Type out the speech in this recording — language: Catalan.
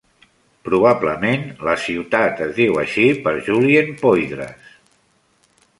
Probablement, la ciutat es diu així per Julien Poydras.